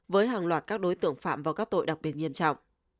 với hàng loạt các đối tượng phạm vào các tội đặc biệt nghiêm trọng